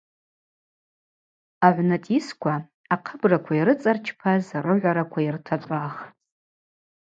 Агӏвнацӏисква ахъыбраква йрыцӏарчпаз рыгӏвараква йыртачӏвахтӏ.